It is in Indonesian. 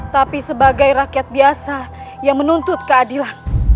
tapi sebagai rakyat biasa yang menuntut keadilan